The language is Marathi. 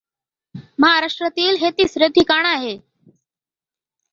महाराष्ट्रातील हे तिसरे ठिकाण आहे.